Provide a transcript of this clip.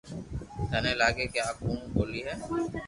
ٿني لاگي ڪي آ ڪوڻ ٻولي ھي